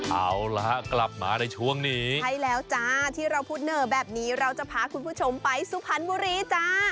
เอาละฮะกลับมาในช่วงนี้ใช่แล้วจ้าที่เราพูดเหนอแบบนี้เราจะพาคุณผู้ชมไปสุพรรณบุรีจ้า